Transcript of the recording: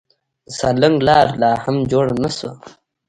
د سالنګ لار لا هم جوړه نه شوه.